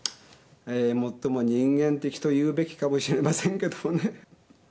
えーもっとも人間的と言うべきかもしれませんけどもね。